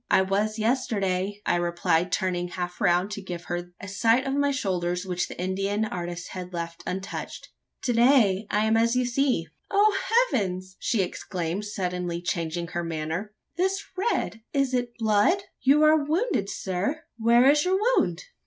"I was, yesterday," I replied, turning half round, to give her a sight of my shoulders, which the Indian artist had left untouched. "To day, I am as you see." "O heavens!" she exclaimed, suddenly changing her manner, "this red? It is blood! You are wounded, sir? Where is your wound?"